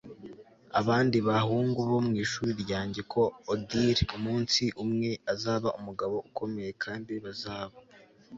abandi bahungu bo mwishuri ryanjye ko odili umunsi umwe azaba umugabo ukomeye kandi bazaba